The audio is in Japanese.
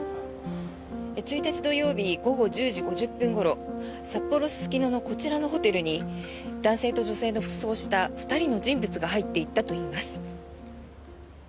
１日土曜日午後１０時５０分ごろ札幌市・すすきののこちらのホテルに男性と女性の服装をした２人の人物が入っていったといいます。